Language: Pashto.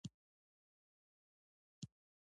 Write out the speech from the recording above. اکسیدیشن څه شی دی او کوم عنصر یې لامل ګرځي؟